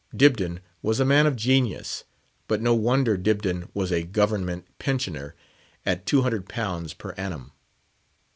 Dibdin was a man of genius; but no wonder Dibdin was a government pensioner at £200 per annum.